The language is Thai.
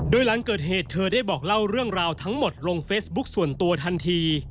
โดยหลังเกิดเหตุเธอได้บอกเล่าเรื่องราวทั้งหมดลงเฟซบุ๊คส่วนตัวทันที